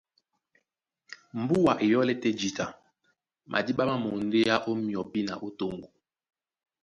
Mbùa e yɔ́lɛ́ tɛ́ jǐta, madíɓá má mondéá ó myɔpí na ó toŋgo.